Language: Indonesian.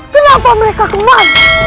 kenapa mereka kemana